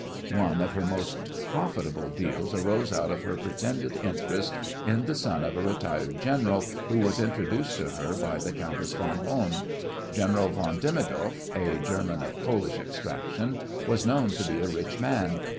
One of her most profitable deals arose out of her pretended interest in the son of a retired general who was introduced to her by the Countess von Hohn. General von Demidoff, a German of Polish extraction, was known to be a rich man.